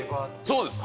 そうです。